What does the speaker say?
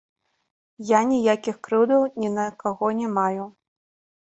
Я ніякіх крыўдаў ні на каго не маю.